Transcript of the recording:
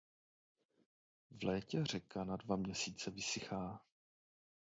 V létě řeka na dva měsíce vysychá.